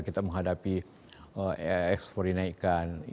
kita menghadapi ekspor dinaikkan